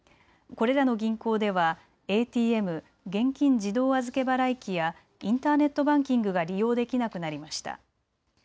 これらの銀行ではＡＴＭ・現金自動預け払い機やインターネットバンキングが利用できなくなりました。